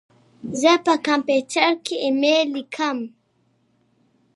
زه په کمپيوټر کي ايميل ليکم.